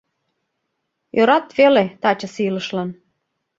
Ӧрат веле тачысе илышлан.